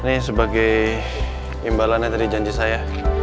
ini sebagai imbalan dari janji saya